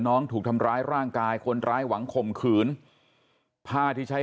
น้องถูกทำร้ายร่างกายคนร้ายหวังข่มขืนผ้าที่ใช้